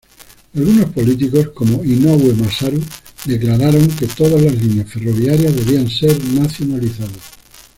Algunos políticos, como Inoue Masaru, declararon que todas las líneas ferroviarias debían ser nacionalizadas.